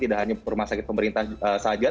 tidak hanya rumah sakit pemerintah saja